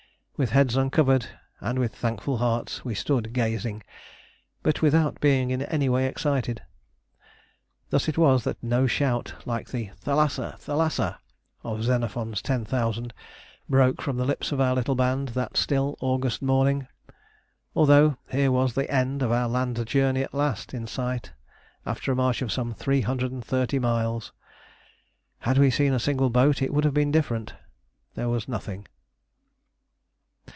With heads uncovered, and with thankful hearts, we stood gazing, but without being in any way excited. Thus it was that no shout like the "Thalassa! Thalassa!" of Xenophon's Ten Thousand broke from the lips of our little band that still August morning; although here was the end of our land journey at last in sight after a march of some 330 miles. Had we seen a single boat it would have been different. There was nothing.